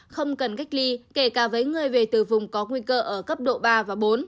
không cần cách ly kể cả với người về từ vùng có nguy cơ ở cấp độ ba và bốn